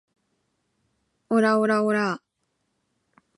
オラオラオラァ